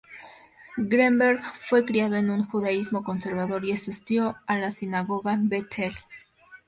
Greenberg fue criado en un judaísmo conservador y asistió a la sinagoga Beth El.